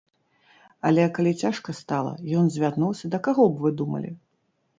Але калі цяжка стала, ён звярнуўся да каго б вы думалі?